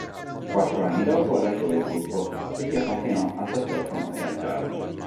Quattro anni dopo lasciò il gruppo e si appassionò al sassofono e al jazz.